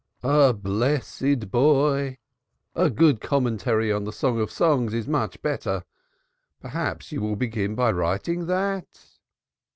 "My blessed boy! A good commentary on the Song of Songs is much needed. Perhaps you will begin by writing that."